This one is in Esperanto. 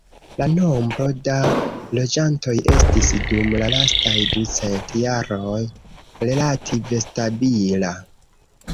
La nombro da loĝantoj estis dum la lastaj ducent jaroj relative stabila.